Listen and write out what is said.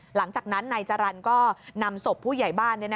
หลังจากนั้นนายจรรย์ก็นำศพผู้ใหญ่บ้าน